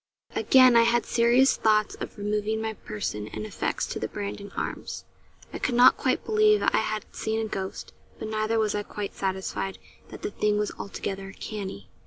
Again I had serious thoughts of removing my person and effects to the Brandon Arms. I could not quite believe I had seen a ghost; but neither was I quite satisfied that the thing was altogether canny.